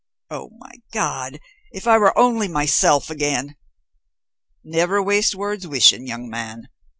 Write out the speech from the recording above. Oh, my God if I were only myself again!" "Never waste words wishing, young man.